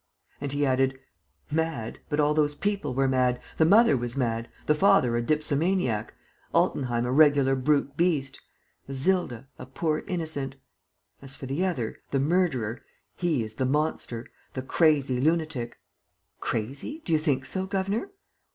And he added, "Mad! But all those people were mad. ... The mother was mad. ... The father a dipsomaniac. ... Altenheim a regular brute beast. ... Isilda, a poor innocent .... As for the other, the murderer, he is the monster, the crazy lunatic. ..." "Crazy? Do you think so, governor?"